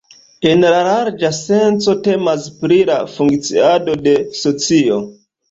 En la larĝa senco temas pri la funkciado de socio.